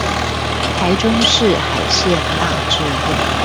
台中市海線大智路